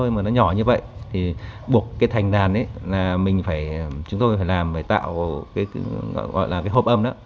mà nó nhỏ như vậy buộc thành đàn chúng tôi phải tạo hộp âm